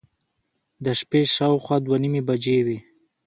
د شپې شاوخوا دوه نیمې بجې وې.